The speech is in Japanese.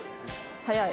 早い。